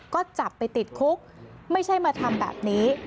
ก็จับไปติดคุกไม่ใช่มาทำแบบนี้